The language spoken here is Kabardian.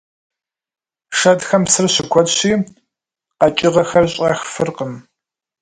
Шэдхэм псыр щыкуэдщи, къэкӀыгъэхэр щӀэх фыркъым.